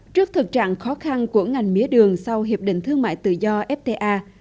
trước thực trạng khó khăn của ngành mía đường sau hiệp định thương mại tự do fta